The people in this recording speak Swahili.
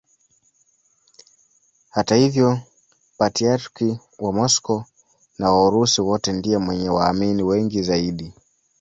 Hata hivyo Patriarki wa Moscow na wa Urusi wote ndiye mwenye waamini wengi zaidi.